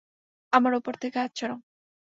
আমার ওপর থেকে হাত সরাও!